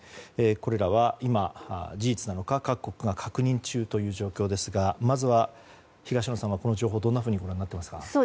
これらは今、事実なのか各国が確認中ということですがまずは、東野さんはこの情報どのようにご覧になっていますか？